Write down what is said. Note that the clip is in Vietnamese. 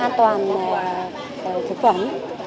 thế tôi cũng mua để cho nó an toàn thực phẩm